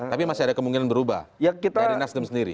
tapi masih ada kemungkinan berubah dari nasdem sendiri